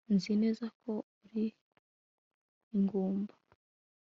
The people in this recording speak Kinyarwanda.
nzi neza ko uri ingumba